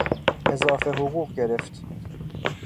اضافه حقوق گرفت.